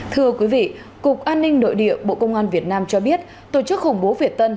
thưa quý vị cục an ninh nội địa bộ công an việt nam cho biết tổ chức khủng bố việt tân